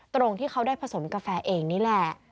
ตรงที่เขาได้ผสมกาแฟเองนี่แหละ